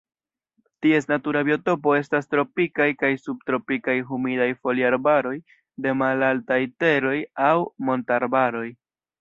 Ties natura biotopo estas tropikaj kaj subtropikaj humidaj foliarbaroj de malaltaj teroj aŭ montarbaroj.